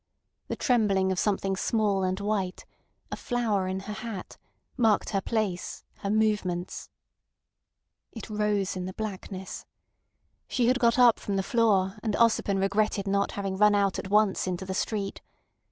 The trembling of something small and white, a flower in her hat, marked her place, her movements. It rose in the blackness. She had got up from the floor, and Ossipon regretted not having run out at once into the street.